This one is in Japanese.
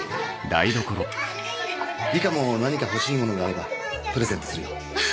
梨花も何か欲しいものがあればプレゼントするよ。